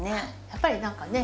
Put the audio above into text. やっぱり何かね